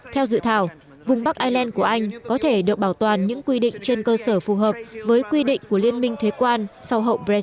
theo dự thảo vùng bắc ireland của anh có thể được bảo toàn những quy định trên cơ sở phù hợp với quy định của liên minh thuế quan sau hậu brexi